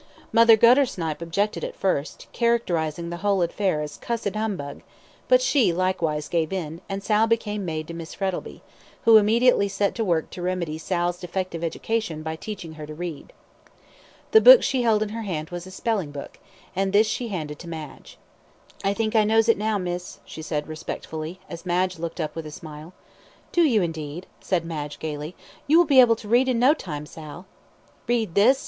Mother Guttersnipe objected at first, characterising the whole affair as "cussed 'umbug," but she, likewise, gave in, and Sal became maid to Miss Frettlby, who immediately set to work to remedy Sal's defective education by teaching her to read. The book she held in her hand was a spelling book, and this she handed to Madge. "I think I knows it now, miss," she said, respectfully, as Madge looked up with a smile. "Do you, indeed?" said Madge, gaily. "You will be able to read in no time, Sal." "Read this?"